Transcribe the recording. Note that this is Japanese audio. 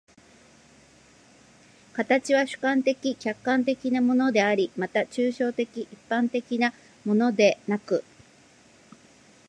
形は主観的・客観的なものであり、また抽象的一般的なものでなく、